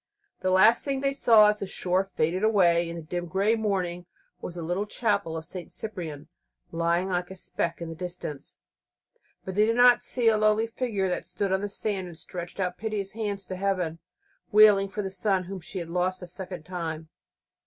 The last thing they saw as the shore faded away in the dim grey of the morning was the little chapel of St. Cyprian lying like a speck in the distance, But they did not see a lonely figure that stood on the sand and stretched out piteous hands to Heaven, wailing for the son whom she had lost a second time.